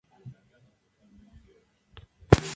La iglesia parroquial está dedicada a Santa Lucía.